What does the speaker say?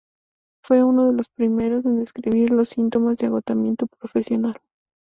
Fue uno de los primeros en describir los síntomas de agotamiento profesional.